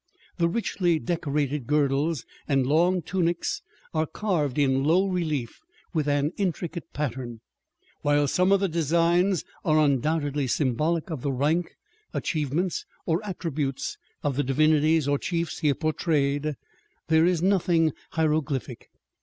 The richly decorated girdles and long tunics are carved in low relief with an intricate pattern. While some of the designs are undoubtedly symbolic of the rank, achievements, or attributes of the divinities or chiefs here portrayed, there is nothing hieroglyphic.